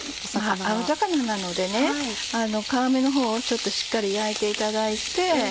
青魚なので皮目のほうをしっかり焼いていただいて。